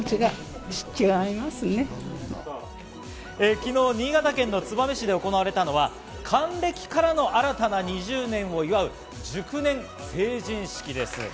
昨日、新潟県の燕市で行われたのは、還暦からの新たな２０年を祝う熟年成人式です。